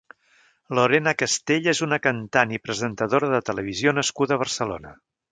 Lorena Castell és una cantant i presentadora de televisió nascuda a Barcelona.